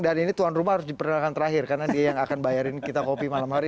dan ini tuan rumah harus diperlukan terakhir karena dia yang akan bayarin kita kopi malam hari